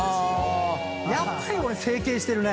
やっぱり俺整形してるね。